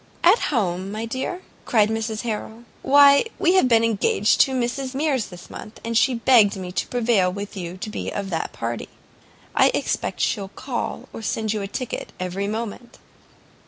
"At home, my dear?" cried Mrs Harrel; "why we have been engaged to Mrs Mears this month, and she begged me to prevail with you to be of the party. I expect she'll call, or send you a ticket, every moment."